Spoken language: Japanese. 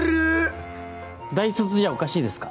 大卒じゃおかしいですか？